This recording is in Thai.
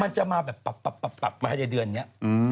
มันจะมาแบบปับปับปับปับไว้ในเดือนนี้